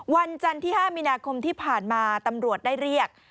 วันจันทร์ที่๕มีนาคมที่ผ่านมาตำรวจได้เรียก